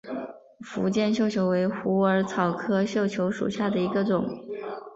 福建绣球为虎耳草科绣球属下的一个种。